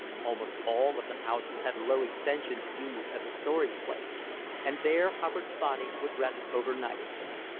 Almost all of the houses had low extensions used as a storage place, and there Hubbard's body would rest over night.